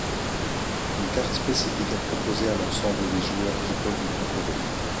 Une carte spécifique est proposée à l'ensemble des joueurs qui peuvent y concourir.